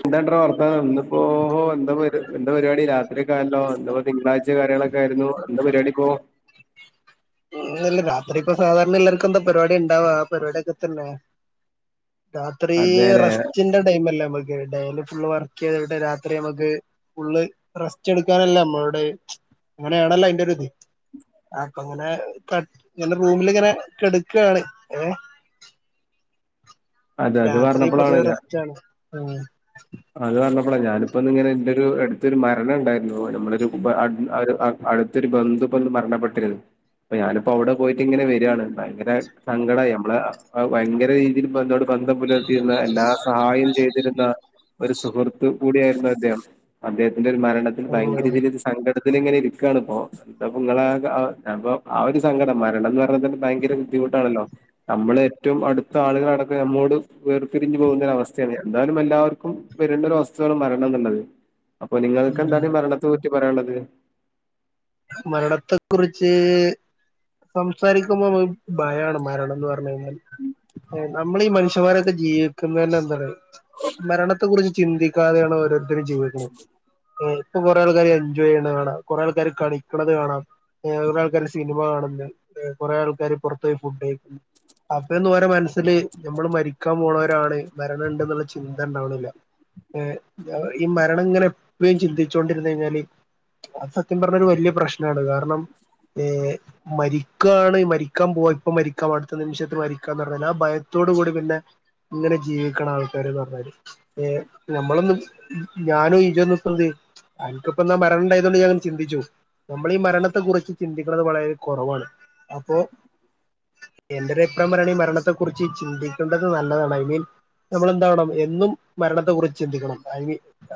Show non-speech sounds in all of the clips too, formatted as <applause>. എന്തൊ ഇണ്ടടാ വർത്തമാനം ഇന്ന് പോ എന്താ പരി എന്താ പരിപാടി രാത്രിയെക്കെ ആയല്ലോ എന്ത തിങ്കളാഴ്ച കാര്യങ്ങളൊക്കെ ആയിരുന്നു എന്താ പരിപാടി ഇപ്പോ <unintelligible> ഇല്ല രാത്രി ഇപ്പ സാധാരണ എല്ലാർക്കും എന്താ പരിപാടി ഉണ്ടാവാ ആ പരിപാടിക്കെ തന്നെ രാത്രീ അതെല്ലെ റസ്റ്റിന്റെ ടൈം അല്ലേ നമ്മക്ക് ഡെ ഫുള്ള് വർക്ക് ചെയ്തിട്ട് രാത്രി നമുക്ക് ഫുള്ള് റെസ്റ്റ് എടുക്കാനല്ലേ നമ്മോട് അങ്ങനെയാണല്ലോ അയിന്റെത് ആ അങ്ങനെ കട്ട് ഇങ്ങനെ റൂമിലിങ്ങനെ കെടുക്കയാണ് ഏ അത് അത് രാത്രി പൊതുവേ പറഞ്ഞപ്പോഴാണ് റസ്റ്റ്ണ് ഉം അത് പറഞ്ഞപോഴ ഞാനിപ്പോ ഇങ്ങനെ എൻ്റെ ഒരു അടു അടുത്തരു മരണ ഉണ്ടായിരുന്നു നമ്മള ഒരു കുട് അടു അത് <unintelligible> അടുത്തൊരു ബന്ധു ഇപ്പം മരണപ്പെട്ടിരുന്നു അ ഞാനിപ്പോ അവിടെ പോയിട്ട് ഇങ്ങനെ വരാണ് ഭയങ്കര സങ്കടമായി നമ്മളെ ഭയങ്കര രീതിയില് ബന്ധവാണ് ബന്ധം പുലർത്തീന്ന എല്ലാ സഹായം ചെയ്തിരുന്ന ഒരു സുഹൃത്ത് കൂടെയായിരുന്നു അദ്ദേഹം അദ്ദേഹത്തിന്റെ ഒരു മരണത്തിൽ ഓ ഭയങ്കര രീതിയിലുള്ള സങ്കടം ത്തിലിങ്ങനെ ഇരിക്കാണ് ഇപ്പോ എന്താ ഇപ്പൊ നിങ്ങളെ അ ആ ഒരു സങ്കടം മരണം എന്ന് പറഞ്ഞാ ഭയങ്കര ബുദ്ധി മുട്ടാണല്ലോ നമ്മൾ ഏറ്റവും അടുത്ത ആളുകളടക്കം നമ്മോട് വേർപരിഞ്ഞു പോകുന്ന ഒരു അവസ്ഥയാണ് എന്തായാലും എല്ലാവർക്കും ക്കും വരുന്ന ഒരു അവസ്ഥയാണ് മരണം എന്നുള്ളത് അപ്പൊ നിങ്ങൾക്ക് ഉം എന്താണ് മരണത്തെ- ക്ക് പറയാൻള്ളത് മരണത്തെ കുറിച്ച് സംസാരിക്കുമ്പോ മ്മഹ് ഭയാണ് മരണം ന്ന് പർഞഴിഞ്ഞാൽ നമ്മളീ ഈ മനുഷ്യന്മാരൊക്കെ ജീവിക്കുന്നേന്നെ എന്താറ്യോ മരണത്തെ കുറിച്ച് ചിന്തിക്കാതെയാണ് ഓരോരുത്തരും ജീവിക്കുന്നത് ഏഹ് അപ്പൊ കൊറെ ആൾക്കാര് എൻജോയ് ചെയ്യ്ണത് കാണാം കുറെേ ആൾക്കാര് കളിക്കണത് കാണാം ഏ കുറെ ആൾക്കാാര് സിനിമ കാണ്ന്ന് എഹ് കൊറേ ആൾക്കാര് പൊർത്തോയ് ഫുഡ് കഴി അപ്പൊ എന്തോരം മനസ് ത്തില് നമ്മള് മരിക്കാൻ പോണോരാണ് മരണം ഇണ്ടെന്നുള്ള ചിന്ത ഇണ്ടാവണില്ല ഏഹ് ഈ മരണങ്ങനെ എപ്പഴും ചിന്തിച്ചോണ്ടിര്ന്നഴിഞ്ഞാല് അത് സത്യം പറഞ്ഞാല് ഒരു വല്യ പ്രശ്നാണ് കാരണം ഏഹ് മരിക്കാണ് മരിക്കാൻ പോയപ്പം മരിക്കാം അടുത്ത നിമിഷത്ത് മരിക്കാന പർഞ്ഞല് ആ ഭയത്തോടു കൂടി പിന്നെ ഇങ്ങനെ ജീവിക്കണ ആൾക്കാര്ന്ന് പറഞ്ഞല് ഏ നമ്മളൊന്ന് ഞാനും ഇജ്ജൊന്നും ഇപ്പെന്ത് അൻക്പ്പന്നാ മരണം ഇണ്ടായതോണ്ട് ജ് ആൻ ചിന്തിച്ചു. നമ്മൾ ഈ മരണത്തെ കുറിച്ച് ചിന്തിക്കുന്നത് വളരെ കുറവാണ് അപ്പൊ എന്റെ ഒരു അഭിപ്രായം പറയാണെ ഈ മരണത്തെക്കുറിച്ച് ചിന്തിക്കേണ്ടത് നല്ലതാണ് ഐ മീൻ നമ്മളെന്താവണം എന്നും മരണത്തെ കുറിച്ച് ചിന്തിക്കണം. ഐ മി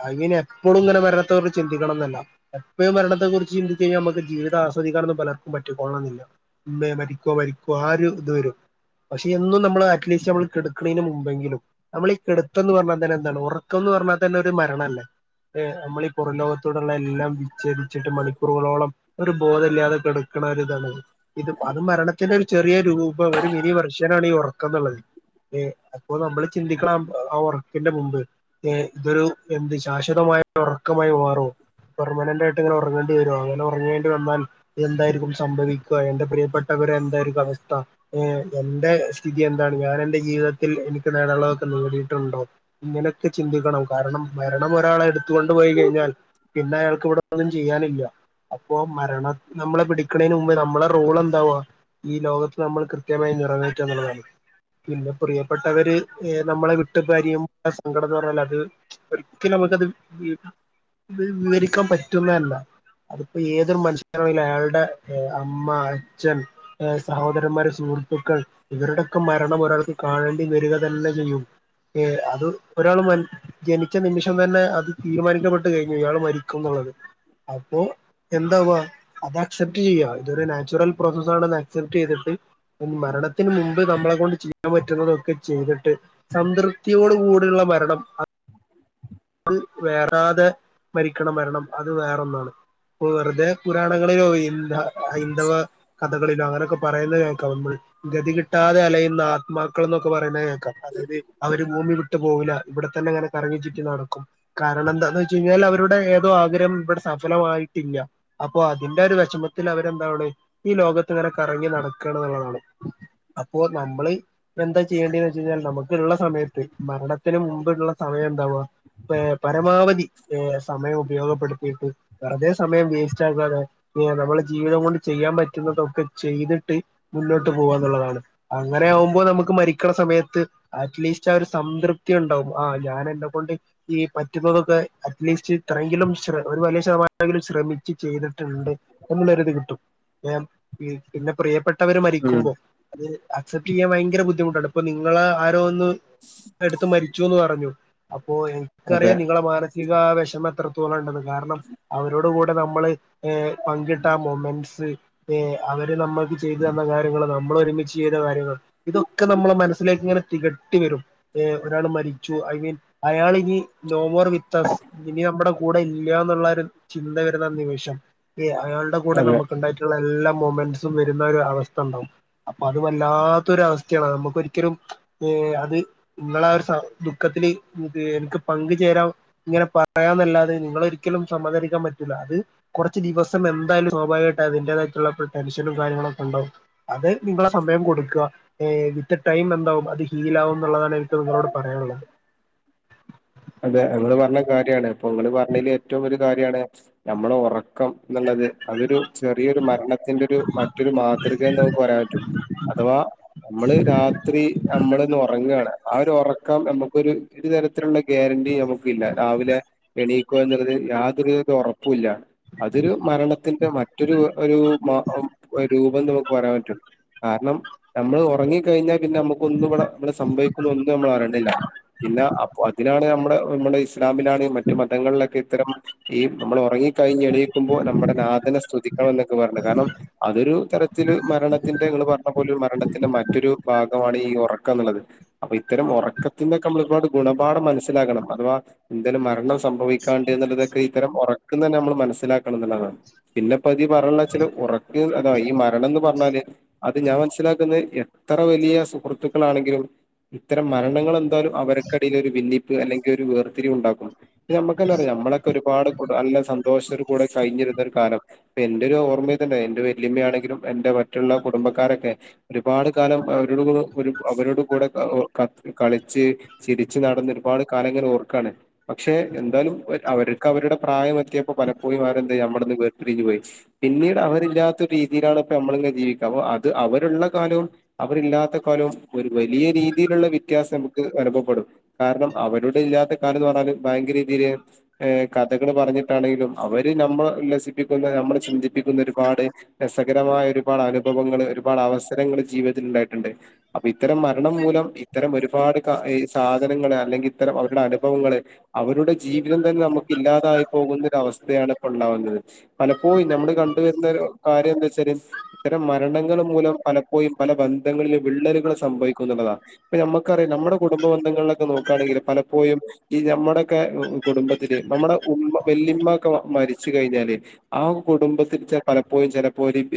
ഐ മീൻ എപ്പളും ങ്ങനെ മരണത്തെ കുറിച്ച് ചിന്തിക്ക് ക്കണം ന്നല്ല. എപ്പഴും മരണത്തെ കുറിച്ച് ചിന്തിച്ച് കഴിഞ്ഞാ ഞമ്മക്ക് ജീവിതം ആസ്വദിക്കാനൊന്നും പലർ പറ്റി കൊൾണന്നില്ല. ഇന്ന് യാൻ മരിക്കോ മരിക്കോ ആര് ഇത് വരും പക്ഷെ എന്നും നമ്മള് അറ്റ്ലീസ്റ്റ് നമ്മൾ കെട്ക്കണേയ്ന് മുമ്പെങ്കിലും നമ്മളീ കെടത്തം ന്ന് പർഞ്ഞാതെന്നെ എന്താണ് ഉറക്കംന്ന് പറഞ്ഞാ തന്നെ ഒരു മരണല്ലേ ഏഹ് അമ്മളീ ഈ പുറംലോകത്തോടുള്ള എല്ലാം വിഛേദിച്ചിട്ട് മണിക്കൂറുകളോളം ഒരു ബോധല്ല്യാതെ കെട് ക്ക്ണേ ഒര്താണ്. ഇത്പ്പ അതും മരണത്തിന്റെ ഒരു ചെറിയ രൂപം ഒരു മിനി വർഷനാണ് ഈ ഒറക്കംന്നുള്ളത് എഹ് അപ്പൊ നമ്മള് ചിന്തിക്കണം ആഹ് ഒറക്കിന്റെ മുമ്പ് ഏഹ് ഇതൊരു എന്ത് ശാശ്വതമാ മായിട്ട് ഒറക്കമായി മാറോ പെർമനന്റായിട്ട്ങ്ങനെ ഒറങ്ങേണ്ടി വരോ അങ്ങനെ ഉറങ്ങേണ്ടി വന്നാൽ എന്തായിരി ക്കും സംഭവിക്ക എന്റെ പ്രിയപ്പെട്ടവരെ എന്തായിരിക്കും അവസ്ഥ ഏഹ് എന്റെ സ്ഥിതി എന്താണ് ഞാൻ എന്റെ ജീവിതത്തിൽ എനിക്ക് നേടാന്ള്ളതൊക്കെ നേടിയിട്ടുണ്ടോ ഇങ്ങനെ ചിന്തിക്കണം കാരണം മരണം ഒരാളെ എടുത്തുകൊണ്ടു പോയി കഴിഞ്ഞാൽ പിന്നെ അയാൾക്ക് ഇവിടെ ഒന്നും ചെയ്യാനില്ല അപ്പൊ മരണം നമ്മളെ പിടി ക്കണേന് മുമ്പ് നമ്മളെ റോൾ എന്താവാ ഈ ലോകത്ത് നമ്മൾ കൃത്യമായി നിറവേറ്റാന്നുള്ളതാണ്. പിന്നെ പ്രിയപ്പെട്ടവര് എഹ് നമ്മളെ വിട്ട്പ്പരിയമ്പ സങ്കടം ന്ന് പറഞ്ഞാൽ അത് ഒരിക്കലുമക്കത് വി ഇത് വിവരിക്കാം പറ്റുന്ന അല്ല അത്പ്പെ ഏതൊരു മനുഷ്യന <unintelligible> അയാള്ടെ ഹ് അമ്മ അച്ഛൻ സഹോദരന്മാര് സുഹൃത്തുക്കൾ ഇവരുടെക്കെ മരണം ഒരാൾക്ക് കാണേണ്ടി വരിക തന്നെ ചെയ്യും ഏഹ് അതും ഒരാള് മരി ജനിച്ച നിമിഷം തന്നെ അത് തീരുമാനിക്കപ്പെട്ട് കഴിഞ്ഞ് ഇയാൾ മരിക്കും അപ്പോ എന്താവാ അതാക്ഷൻ റ്റ് ചെയ്വ ഇതൊരു നാച്ച്വറൽ പ്രോസസാണെന്ന് ആക്സെപ്റ്റ് ചെയ്തിട്ട് മരണത്തിന് മുമ്പ് നമ്മളെ കൊണ്ട് ചെയ്യാന് പറ്റുന്നതൊക്കെ ചെയ്ത്ട്ട് സംതൃപ്തിയോടു കൂടെ ഇള്ള മരണം അത് ത് വേറാതെ മരിക്കണം മരണം അത് വേറൊന്നാണ് ഇപ്പ വെറുതെ പുരാണങ്ങളിലോ ഇന്ത ഹൈന്ദവ കഥകളിലോ അങ്ങനെയൊക്കെ പറയുന്നത് കേൾക്കാം നമ്മള് ഗതി കിട്ടാതെ അലയുന്ന ആത്മാക്കൾ ഇന്നൊക്കെ പറയുന്ന കേക്കാം അതായത് അവര് ഭൂമി വിട്ടു പോകില്ല ഇവി ഇക്കത്തെന്നെ <unintelligible> ങ്ങനെ കറങ്ങി ചുറ്റി നടക് ക്കും കാരണം എന്താന്ന് വച്ച് കഴിഞ്ഞാൽ അവരുടെ ഏതോ ആഗ്രഹം ഇവിടെ സഫലമായിയിട്ടില്ല അപ്പൊ അതിന്റെ വെഷമത്തില് അവരെന്താണ് ഈ ലോകത്ത് ഇങ്ങ്നെ കറങ്ങി നടക്കാണ് എന്നുള്ളതാണ് അപ്പോ നമ്മള് എന്താ ചെയ്യേണ്ടന്ന് വെച്ച കഴിഞ്ഞാൽ നമുക്ക് ഉള്ള സമയത്ത് മരണത്തിന് മുമ്പള്ള സമയം എന്താവാ പരമാവധി സമയം ഉപയോഗപ്പെടുത്തിയിട്ട് വെറുതെ സമയം വേസ്റ്റ് ആകാതെ നമ്മെ ജീവിതം കൊണ്ട് ചെയ്യാൻ പറ്റുന്നതൊക്കെ ചെയ്തിട്ട് മുന്നോട്ട് പോവാന്നുള്ളതാണ് അങ്ങനെ ആകുമ്പോൾ നമുക്ക് മരിക്കണ സമയത്ത് അറ്റ്ലീ വി ഒരു സംതൃപ്തി ഉണ്ടാവും ആ് ഞാൻ എന്നെകൊണ്ട് ഈ പറ്റുന്നതൊക്കെ അറ്റ്ലീസ്റ്റ് ഇത്രെങ്കിലും ഒരു വലിയ ശതമാനെങ്കിലും ശ്രമിച്ച് ചെയ്തിട്ടുണ്ട് എന്നുള്ളൊരുത് കിട്ടും പിന്നെ പ്രിയപ്പെട്ടവര് ഉം മരിക്കുമ്പോ അത് അക്സെപ്റ്റ് ചെയ്യാൻ ഭയങ്കര ബുദ്ധിമുട്ടാണ് ഇപ്പൾ നിങ്ങൾ ആരോന്ന് എടുത്ത മരിച്ചുന്ന് പറഞ്ഞു അപ്പോ അതെ എനിക്കറിയാം നിങ്ങള മാനസിക വിഷമം എത്രത്തോളം ഉണ്ടെന്ന് കാരണം അവരോട് കൂടെ നമ്മള് പങ്കിട്ട മൊമെന്സ് അവര് നമ്മൾക്ക് ചെയ്ത് തന്ന കാര്യങ്ങൾ നമ്മൾ ഒരുമിച്ച് ചെയ്ത കാര്യങ്ങൾ ഇതൊക്കെ നമ്മെ മനസ്സിലേക്ക് ഇങ്ങനെ തികട്ടിവരും ഒരാൾ മരിച്ചു ഐ മീൻ അയാളിനി നോമോർ വിത്തസ് ഇനി നമ്മുടെ കൂടെ ഇല്ല എന്നുള്ള ഒരു ചിന്ത വരുന്ന നിമിഷം അ അയാളുടെ കൂടെ അതെ നമുക്കുണ്ടായിട്ടുള്ള എല്ലാ മൊമെന്റ്സും വരുന്ന ഒരു അവസ്ഥ ഉണ്ടാവും അപ്പൊ അത് വല്ലാത്തൊരു അവസ്ഥയാണ് നമുക്ക് ഒരിക്കലും ഏ അത് നിങ്ങളെ ആ ഒരു ദുഃഖത്തില് എനിക്ക് പങ്കുചേരാ ഇങ്ങനെ പറയാന്നല്ലാതെ നിങ്ങ ഒരിക്കലും സമ്മദരിക്കാൻ പറ്റൂല്ല അത് കുറച്ച് ദിവസം എന്തായാലും സ്വാഭാവികമായിട്ട് അതിന്റേതായിട്ടുള്ള ടെൻഷനും കാര്യങ്ങളൊക്കെ ഉണ്ടാാവും അത് നിങ്ങളെ സമയം കൊടുക്കുക വിത്ത് ടൈം എന്താവും അത് ഹീൽ ആകും എന്നുള്ളതാണ് എനിക്ക് നിങ്ങളോട് പറയാനുള്ളത് അതെ ഞങ്ങള് പറഞ്ഞ കാര്യാണ് അപ്പൊ നിങ്ങള് പറഞ്ഞതില് ഏറ്റവും കാര്യാണ് നമ്മള ഉറക്കം എന്നുള്ളത് അതൊരു ചെറിയൊരു മരണത്തിന്റെ ഒരു മറ്റൊരു മാതൃകയന്ന് നമുക്ക് പറയാൻ പറ്റോ അഥവാ നമ്മള് രാത്രി നമ്മൾന്ന് ഉറങ്ങുവയാണ് ആ ഒരു ഉറക്കം നമുക്കൊരു ഒരു തരത്തിലുള്ള ഗ്യാരന്റി നമുക്കില്ല രാവിലെ എണീ എന്നത് യാതൊരുവിധ ഉറപ്പുമില്ല അതൊരു മരണത്തിന്റെ മറ്റൊരു ഒരു രൂപം നമുക്ക് പറയാൻ പറ്റുള്ള കാരണം നമ്മള് ഉറങ്ങി കഴിഞ്ഞാൽ പിന്നെ നമ്മുക്കൊന്നും ഇവിടെ നമ്മടെ സംഭവിക്കുന്ന ഒന്നും നമ്മൾ അറിയണ്ടില്ല പിന്നെ അപ്പ അതിനാണ് നമ്മുടെ നമ്മുടെ ഇസ്ലാമിലാണ് മറ്റു മതങ്ങളിലൊക്കെ ഇത്തരം ഈ നമ്മൾ ഉറങ്ങി കഴിഞ്ഞ് എണീക്കുമ്പോൾ നമ്മുടെ നാദനെ സ്തുതിക്കണം എന്നൊക്കെ പറഞ്ഞു കാരണം അതൊരു തരത്തില് മരണത്തിന്റെ നിങ്ങൾ പറഞ്ഞ പോലും ഒരു മരണത്തിന്റെ മറ്റൊരു ഭാഗം ആണ് ഈ ഉറക്കം എന്നുള്ളത് അപ്പൊ ഇത്തരം ഉറക്കത്തിൊക്കെ നമ്മളട് ഗുണം ഒരുപാട് മനസ്സിലാകണം അഥവാ എന്തേലും മരണം സംഭവിക്കാണ്ട് എന്നുള്ളതൊക്കെ ഇത്തരം ഉറ തന്നെ നമ്മൾ മനസ്സിലാക്കണം എന്നുള്ളതാണ് പിന്നെ പതി പറയുള്ളെച്ചൽ ഉറക്കം അതാ ഈ മരണം എന്ന് പറഞ്ഞാല് അത് ഞാൻ മനസ്സിലാക്കുന്ന എത്ര വലിയ സുഹൃത്തുക്കളാണേങ്കിലും ഇത്തരം മരണങ്ങൾ എന്തായാലും അവരൊക്കെ ിപ്പ് അല്ലെങ്കിൽ ഒരു വേർത്തിരിവ് ഉണ്ടാക്കും നമ്മക്ക്ന്നാ പറ നമ്മളൊക്കെ ഒരുപാട് നല്ല സന്തോഷത്തിൽ കൂടെ കഴിഞ്ഞിരുന്ന ഒരു കാലം എന്റെറെ ഒരു ഓർമ്മയ തന്നെ എറെ വല്യമ്മയാണെങ്കിലും എന്റെ മറ്റുള്ള കുടുംബക്കാരൊക്കെ ഒരുപാട് കാലം അവരോ അവരോട കൂടെള പച്ച ചിരിച്ച്നടന്ന ഒരുപാട് കാലങ്ങൾ ഓർക്കയാണ് പക്ഷെ എന്തായാലും അവർക്ക് അവരുടെ പ്രായം എത്തിയപ്പോ പലപ്പോയി ആരെന്ത ചെയമ്മടെന്ന് വേർരിഞ്ഞഞ് പോയി പിന്നീട് അവരില്ലാത്ത ഒരു രീതിയിലാണ് ഇ നമ്മളെ ജീവിക്ക അത് അവരുള്ള കാലവും അവരില്ലാത്ത കാലവും ഒരു വലിയ രീതിയിലുള്ള വ്യത്യാസം നമുക്ക് അനുഭവപ്പെ കാരണം അവരടെ ഇല്ലാത്ത കാലം എന്ന് പറഞ്ഞാല് ഭയങ്കര രീതിയിൽ കഥകൾ പറഞ്ഞിട്ടാണെങ്കിലും അവര് നമ്മൾ ഉല്ലസിപ്പിക്കുന്ന നമ്മളെ ചിന്തിപ്പിക്കുന്ന ഒരുപാട് രസകരമായ ഒരുപാട് അനുഭവങ്ങൾ ഒരുപാട് അവസരങ്ങള് ജീവിതത്തിൽ ഉണ്ടായിട്ട്ണ്ട്. അപ്പൊ ഇത്തരം മരണം മൂലം ഇത്തരം ഒരുപാട് കാര്യ സാധനങ്ങള് അല്ലെങ്കി ഇത്തരം അവര്ടെ അനുഭവങ്ങള് അവരുടെ ജീവിതം തന്നെ നമുക്ക് ഇല്ലാതായി പോകുന്നരു അവസ് ഇതെ ആണ് ഇപ്പം ഇണ്ടാവുന്നത്. പലപ്പോഴും ഞ്ഞമ്മൾ കണ്ടുവെരുന്നൊരു കാര്യം എന്താ ച്ചാല് ഇത്തരം മരണങ്ങ മൂലം പലപ്പൊഴും പല ബന്ധങ്ങളിലും വിള്ളല്കള് സംഭവിക്കും ന്ന്ള്ളതാണ്. ഇപ്പം നമക്കറിയാം നമ്മുടെ കൂ കുടുംബബന്ധങ്ങളിലെക്കെ നോക്കാണെങ്കില് പലപ്പോഴും ഈ നമ്മുടേക്കെ കുടുംബത്തില് നമ്മടെ ഉമ്മ വല്ലി ഉമ്മാക്ക് മരിച്ച് കഴിഞ്ഞാല് ആഹ് കുടുംബത്തിൽ ചെ പലപ്പോഴും ചെലപ്പോ റിം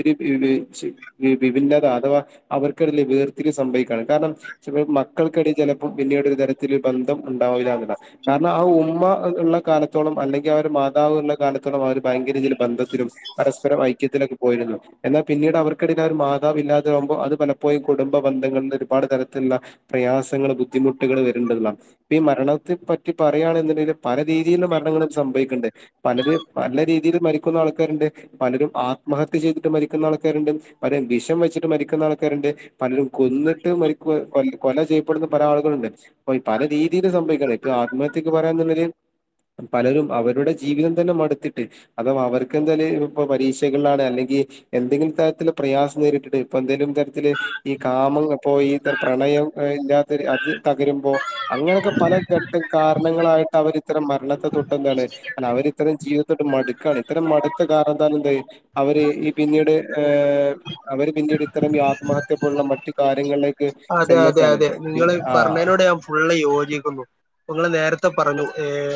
<unintelligible> വിഭിന്നത അഥവാ അവർക്കെടല് വേർതിരിവ് സംഭവിക്കാണ് കാര്ണം ചെറ്യ മക്കൾക്കെടല് ചെല പിന്നീട് തരത്തി ബന്ധം ഉണ്ടാവില്ല എന്നില്ല കാരണം ആ ഉമ്മ ഉള്ള കാലത്തോളം അല്ലെങ്കിൽ അവരെ മാതാവുള്ള കാലത്തോളം അവർ ഭയങ്കരതിൽ ബന്ധത്തിലും പരസ്പരം ഐക്യത്തിലൊക്കെ പോയിരുന്നു എന്നാൽ പിന്നീട് അവർക്ക് ഒരു മാതാവ് ഇല്ലാതെകുമ്പോ അത് പലപ്പോഴും കുടുംബ ബന്ധങ്ങളിൽ ഒരുപാട് തരത്തിലുള്ള പ്രയാസങ്ങൾ ബുദ്ധിമുട്ടുകൾ വരണ്ടല്ല ഇപ്പഈ മരണത്തെ പറ്റി പറയയാണണ്ടെങ്കിൽ പല രീതിയിലുള്ള മരണങ്ങളും സംഭവിക്കണ്ട് പലത് പല്ല രീതിയിൽ മരിക്കുന്ന ആൾക്കാരുണ്ട് പലരും ആത്മഹത്യ ചെയ്തിട്ട് മരിക്കുന്ന ആൾക്കാരുണ്ട് പലരും വിഷം വെച്ചിട്ട് മരിക്കുന്ന ആൾക്കാരുണ്ട്, പലരും കൊന്നിട്ട് മരിക്കു കൊ കൊല ചെയ്യപ്പെടുന്ന പല ആളുകളുണ്ട് അപ്പ പല രീതിൽ സംഭവിക്കുന്ന ഇപ്പൊ ആത്മഹത്യക്ക് പറയാന്നുണ്ടെങ്കി പലരും അവരുടെ ജീവിതം തന്നെ മടുത്തിട്ട് അതും അവർക്ക് എന്തായാലും ഇ പരീ അല്ലെങ്കിൽ എന്തെങ്കിലും തരത്തിലുള്ള പ്രയാസം നേരിട്ടിട്ട് ഇപ്പ എന്തെങ്കിലും തരത്തിലുള്ള ഈ കാമം പോ പ്രണയം അത് തകരുമ്പോ അങ്ങനെയൊക്കെ പല ഘട്ട കാരണങ്ങളായിട്ട് അവർത്തരം മരണത്തെ തൊട്ട് ന്താണ് അവരിത്രം ജീവി മടുക്കാണ് ഇത്തരം മടുത്ത കാരണത്താല് എന്ത എന്താ അവര് ഈ പിന്നീട് അവര് ന്നീട് ഇത്തരം ഈ ആത്മഹത്യ പോലുള്ള മറ്റു കാര്യങ്ങളിലേക്ക് അതെ അതെ ചെന്നത്താണ് അതെ നിങ്ങള് പറഞ്ഞതിനോട് ഞാൻ ഫുള്ള് യോജിക്കുന്നു ങ്ങൾ നേരത്തെ പറഞ്ഞു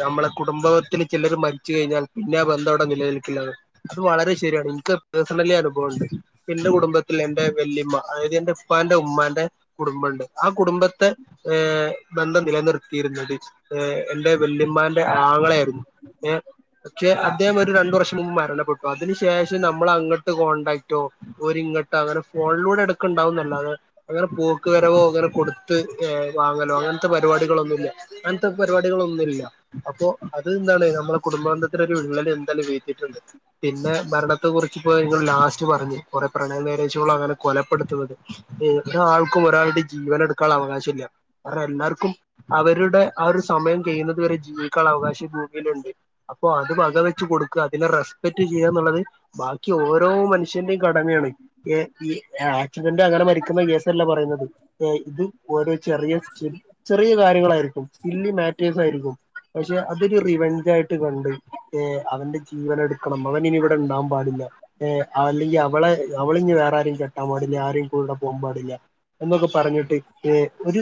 നമ്മളെ കുടുംബത്തിൽ ചിലർ മരിച്ച് കഴിഞ്ഞാൽ പിന്നെ ആ ബന്ധം അവിടെ നിലനിൽക്കില്ല അത് വളരെ ശരിയാണ് എനിക്ക് പേഴ്സണലി അനുഭവം ഉണ്ട് എന്റെ കുടുംബത്തിൽ എന്റെ വല്യമ്മ അതായത് എന്റെ ഇപ്പാന്റെ ഉമ്മന്റെ കുടുംബംണ്ട് ആ കുടുംബത്തെ ഏ ബന്ധം നിലനിർത്തിയിരുന്നത് എന്റെ വല് മാന്റെ ആങ്ങള ആയിരുന്നു ഏ.. പക്ഷെ അദ്ദേഹം ഒരു രണ്ടു വർഷം മുമ്പ് മരണപ്പെട്ടു അതിന് ശേഷം നമ്മൾ അങ്ങോട്ട് കോൺടാക്റ്റോ ഓര് ഇ <unintelligible> പൂക്ക് വരവോ അങ്ങനെ കൊടുത്ത് വാങ്ങലോ അങ്ങനത്തെ പരിപാടികളൊന്നുല്ല അങ്ങനത്തെ പരിപാടികളൊന്നുമില്ല അപ്പോ അത് എന്താണ് നമ്മുടെ കുടുംബന്ധത്ത ഒരു വിള്ളല് എന്താലും വീഴ്ത്തിട്ടുണ്ട് പിന്നെ ന്നാത്തെ കൊറച്ച് പോയി ന്നാ ലാസ്റ്റ് പറഞ്ഞ് കൊറെ പ്രണയമാര്യാജ്കളാണ് അങ്ങനെ കൊലപെടുത്തുന്നത്. ഇന്ന് രാൾക്കും ഒരാള്ടെ ജീവൻ എടുക്കാനോള്ളാ അവകാശം ഇല്ല. അതെ എല്ലാവർക്കും അവരുടെ ആ ഒര് സമയം ചെയ്ന്നത് വരെ ജീവിക്കാൻള്ളാ അവകാശം ഭൂമിയിലോണ്ട്. അപ്പോ അത് വക വെച്ച് കൊടുക്ക്യാ അതിനെ റെസ്പെക്ട് ചെയ്യാന്നോള്ള ന്ന്ത് ബാക്കി ഓരോ മനുഷ്യൻ്റെയും കടമയാണ്. എ ഈ ആഹാ ആക്സിഡന്റ് അകാതെമരിക്കുന്ന കേസല്ലാ പറയ്ന്നത് യെ ഹും ഓരോ ചെറിയ ചി ചെറിയ കാര്യങ്ങളാരിക്കും. സില്ലി മാറ്റേഴ്സ് ആരിക്കും. പക്ഷേ അതൊര് റിവഞ്ച് ആയിട്ട് കണ്ട് അവൻ്റെ ജീവനെടുകണം അവന് ഇനി ഇവടെണ്ടാവാം പാടില്ല. യെ അല്ലെങ്കി അവളെ അവള്ഞ്ഞി വേറെ ആരിം കെട്ടൻപാടില്ല. ആരിം കൂടെ പോവാൻ പാടില് എന്നൊക്കെ പറഞ്ഞിട്ട് ഏ ഒരു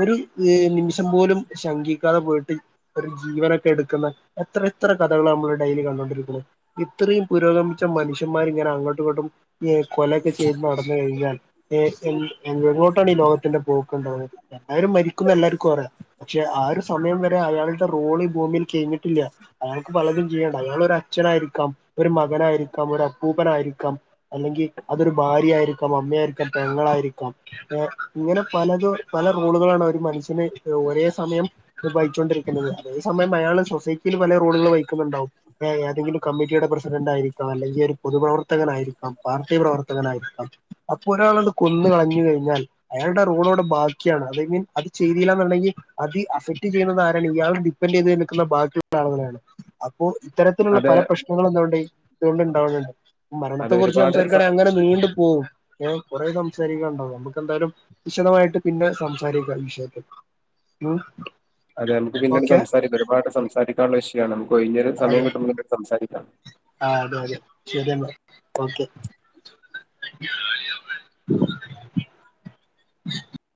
ഒര് യെ നിമിഷം പോലും ശങ്കിക്കാതെ പോയിട്ട് ഒര് ജീവനൊക്കെ എട്ക്ക്ന്നാ എത്ര എത്ര കഥകളാ മ്മള് ഡെയിലി കണ്ടൊണ്ടിരിക്കണത് ഇത്രയും പൂരോഗമിച്ചാ മനുഷ്യന്മാര് ഇങ്ങനെ അങ്ങോട്ടും ഇങ്ങോട്ടും ഏ കൊലക്ചെയ്യുമ്പോ അടഞ്ഞ് കഴിഞ്ഞാൽ യേ ഇംഗ് എങ്ങോട്ടാണ് ഈ ലോകത്തിന്റെ പോക്കാന്നാണ്. എല്ലാരും മരിക്കുംന്ന് ല്ലാർക്കും അറിയാം. പക്ഷേ ആാ ഒര് സമയം വെരെ അയാള്ടെ റോള് ഭൂമിൽ കെയിഞ്ഞിട്ടില്ല. അയാൾക്ക് പലതും ചെയ്യാണ്ട്. അയ്യാ ള്ളൊരു അച്ഛ അച്ഛനായിരിക്കാം, ഒരു മകനായിരിക്കാം, ഒരു അപ്പൂപ്പാനായിരിക്കാം, അല്ലെങ്കി അതൊരു ഭാര്യയായിരിക്കാം, അമ്മ യായ് <unintelligible> ങ്ങളായിരിക്കാം. എ ഇങ്ങനെ പലതും പല റോളുകളാണ് അവര്മനുഷ്യാന് ഒരെ സമയം ത് വഹിച്ചോരിക്ക്ന്നത്. അതേ സമയം അയാൾ സൊസൈറ്റില് പലറോളുകളുംവഹിക്കുന്നുണ്ടവും. എ എതെങ്കിലും കമ്മിറ്റിയുടെ പ്ര പ്രസിഡന്റ് ആരിക്കാം, അല്ലെങ്കി ഒര് പൊതുപ്രവർത്തകനായിരിക്കാം, പാർട്ടി പ്രവർത്തകനായിരിക്കാം, കൊന്ന് കളഞ്ഞ് കഴിഞ്ഞാൽ ആയാള്ടെറോളുടെ ബാക്കിയാണ്. അതെങ്ങി അത് ചെയ്തില്ലാന്ന്ണ്ട്ങി അതി അസ് തെറ്റ്ചെയ്യ്ണത് ആരങ്കിലും ഇയാൾ ടിപ്പ ൻ്റെയ്ത് നിക്ക്ന്ന ബാക്കിള്ള അൾ <unintelligible> പ്പോൾ ഇത്തരത്തിലുള്ള അതെ പല പ്രശ്നങ്ങളുംന്തൊണ്ടെ ഇതൊണ്ട് ണ്ടാ വിണ് ണ്ട് മരണത്തെ അതെ കുറിച്ച് ഒരുപാട് സംസാരിക്കാനെ സ അങ്ങനെ നീണ്ടു പോകും ഞാൻ കുറേകം സരി ന്നാണ്ടൽലും നമ്മുക്ക് ന്ന്താലും വിശദ മായിട്ട് പിന്നെ സംസാരിക്കാ വിഷയത്തെ ഹും അതെ നമ്മക്ക് പിന്നെ ന്ന് സംസാരിക്ക. ഒരു പാട് സംസാരിക്കള്ള വിശ്യം ആണ്. നമ്മുക്ക് ഒഴിഞ്ഞ സമയം കിട്ടുമ്പോൾ സംസാരിക്ക. ആഹ് അതെ അതെ ശെരി എന്നാ ഓക്കെ. <unintelligible>